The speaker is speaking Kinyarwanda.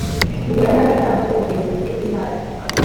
ingingo ya munani akanama k ubugenzuzi bw imari